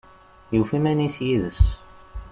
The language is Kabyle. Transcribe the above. Yufa iman-is yid-s